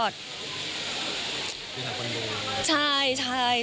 มีฐานคนดู